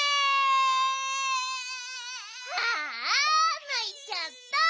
ああないちゃった。